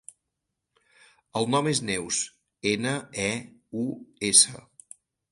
El nom és Neus: ena, e, u, essa.